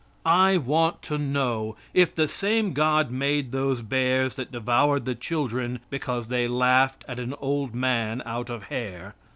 I want to know if the same God made those bears that devoured the children because they laughed at an old man out of hair.